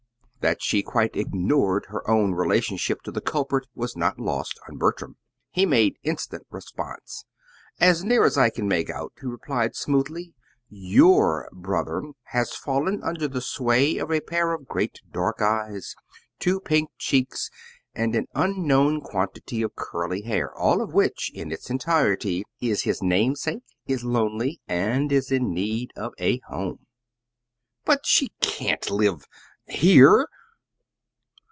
That she quite ignored her own relationship to the culprit was not lost on Bertram. He made instant response. "As near as I can make out," he replied smoothly, "YOUR brother has fallen under the sway of a pair of great dark eyes, two pink cheeks, and an unknown quantity of curly hair, all of which in its entirety is his namesake, is lonesome, and is in need of a home." "But she can't live here!"